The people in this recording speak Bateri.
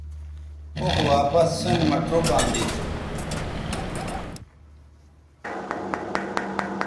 اوخ واپس سین مہ چوکاں دیتھ